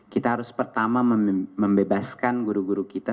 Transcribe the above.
kita harus pertama membebaskan guru guru kita